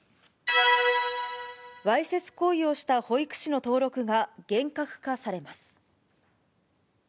わいせつ行為をした保育士の登録が厳格化されます。